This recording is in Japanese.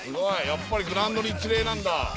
やっぱりグラウンドに一礼なんだ。